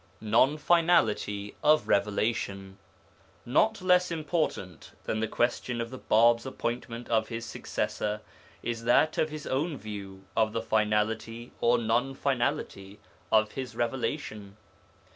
NON FINALITY OF REVELATION Not less important than the question of the Bāb's appointment of his successor is that of his own view of the finality or non finality of his revelation.